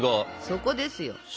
そこですよ。